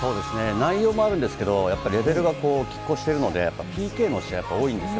内容もあるんですけれども、やっぱりレベルがこう、きっ抗しているので、ＰＫの試合、やっぱり多いんですよ。